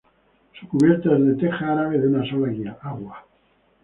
Su cubierta es de teja árabe de una sola agua.